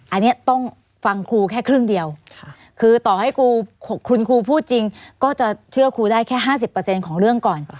อันนี้ต้องฟังครูแค่ครึ่งเดียวคือต่อให้ครูคุณครูพูดจริงก็จะเชื่อครูได้แค่๕๐ของเรื่องก่อน